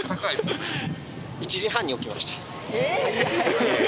えっ